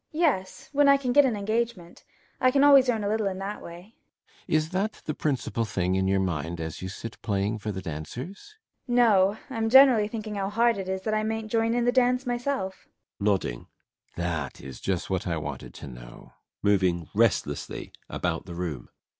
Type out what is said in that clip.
] Yes, when I can get an engagement. I can always earn a little in that way. BORKMAN. [With interest.] Is that the principal thing in your mind as you sit playing for the dancers? FRIDA. No; I'm generally thinking how hard it is that I mayn't join in the dance myself. BORKMAN. [Nodding.] That is just what I wanted to know. [Moving restlessly about the room.